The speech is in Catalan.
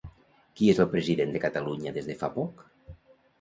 Qui és el president de Catalunya des de fa poc?